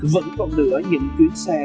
vẫn còn nữa những chuyến xe